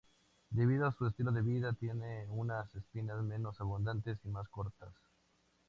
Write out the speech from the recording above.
Debido a su estilo de vida, tiene unas espinas menos abundantes y más cortas.